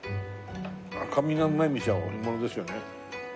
赤身がうまい店は本物ですよね。